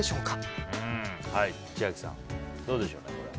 千秋さん、どうでしょう？